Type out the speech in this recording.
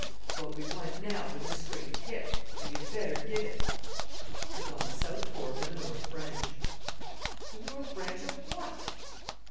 "What we want now is a straight tip and you had better give it." "It's on the south fork of the north branch." "The north branch of what?"